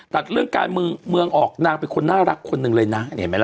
ตัดเรื่องการเมืองเมืองออกนางเป็นคนน่ารักคนหนึ่งเลยนะเห็นไหมล่ะ